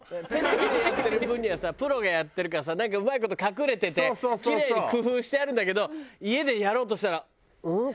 テレビでやってる分にはさプロがやってるからさなんかうまい事隠れててキレイに工夫してあるんだけど家でやろうとしたらうん？